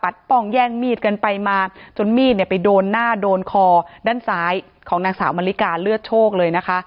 ป้องแย่งมีดกันไปมาจนมีดเนี่ยไปโดนหน้าโดนคอด้านซ้ายของนางสาวมะลิกาเลือดโชคเลยนะคะ